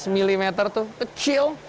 enam belas mm tuh kecil